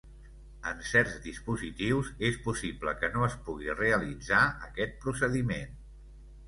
En certs dispositius, és possible que no es pugui realitzar aquest procediment.